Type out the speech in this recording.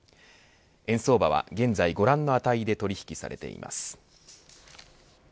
円相場は現在ご覧の値で取り引きされています。